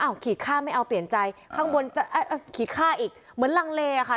ขีดค่าไม่เอาเปลี่ยนใจข้างบนจะขีดค่าอีกเหมือนลังเลอะค่ะ